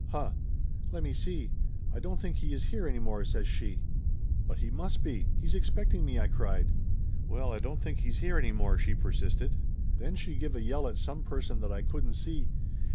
"Huh! Lemme see I don't think he is here any more," says she. "But he must be. He's expecting me!" I cried. "Well, I don't think he's here any more !" she per 102 Laughter Limited sisted. Then she give a yell at some person that I couldn't see.